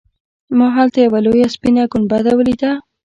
ما هلته یوه لویه سپینه ګنبده ولیده.